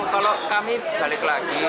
kalau kami balik lagi